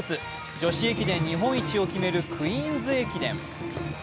女子駅伝日本一を決めるクイーンズ駅伝。